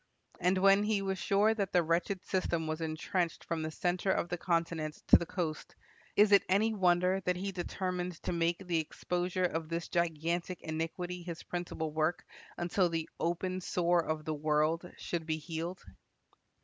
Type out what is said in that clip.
And when he was sure that the wretched system was entrenched from the center of the continent to the coast, is it any wonder that he determined to make the exposure of this gigantic iniquity his principal work until "the open sore of the world" should be healed?